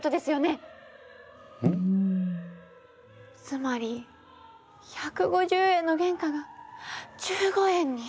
つまり１５０円の原価が１５円に。